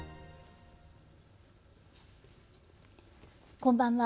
こんばんは。